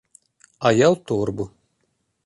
А я ў торбу.